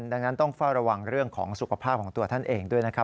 ดังนั้นต้องเฝ้าระวังเรื่องของสุขภาพของตัวท่านเองด้วยนะครับ